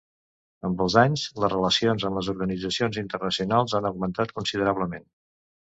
Amb els anys, les relacions amb les organitzacions internacionals han augmentat considerablement.